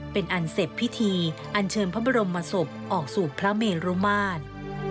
เป็นอันเสร็จพิธีอันเชิญพระบรมศพออกสู่พระเมรุมาตร